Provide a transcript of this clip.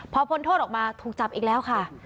พอพ้นโทษออกมาถูกจับอีกแล้วค่ะ